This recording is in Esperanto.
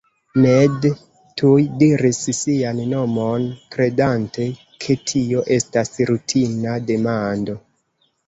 Ned tuj diris sian nomon, kredante ke tio estas rutina demando.